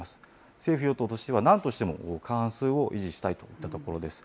政府・与党としては、なんとしても過半数を維持したいといったところです。